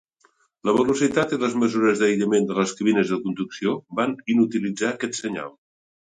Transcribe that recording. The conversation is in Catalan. La velocitat i les mesures d'aïllament de les cabines de conducció van inutilitzar aquest senyal.